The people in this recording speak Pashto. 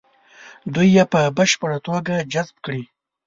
دوی یې په بشپړه توګه جذب کړي.